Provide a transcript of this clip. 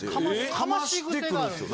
かまし癖があるんですよ。